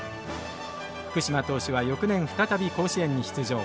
福嶋投手は翌年再び甲子園に出場。